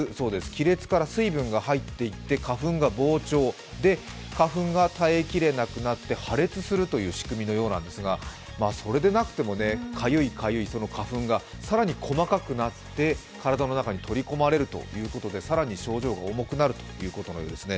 亀裂から水分が入っていって、花粉が膨張、花粉が耐えきれなくなって破裂するという仕組みのようなんですが、それでなくてもかゆい、かゆい花粉が更に細かくなって、体の中に取り込まれるということで更に症状が重くなるということのようですね。